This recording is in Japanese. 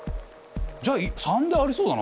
じゃあ③でありそうだな。